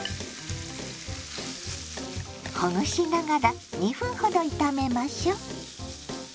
ほぐしながら２分ほど炒めましょう。